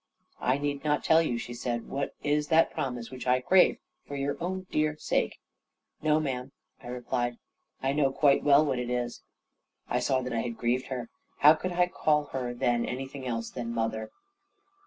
"I need not tell you," she said, "what is that promise which I crave for your own dear sake." "No, ma'am," I replied, "I know quite well what it is." I saw that I had grieved her. How could I call her then anything else than "mother"?